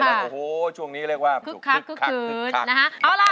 โอ้โหช่วงนี้เรียกว่าแห่งจีสทธิวัน